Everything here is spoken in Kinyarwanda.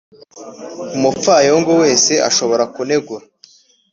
umupfayongo wese ashobora kunegura,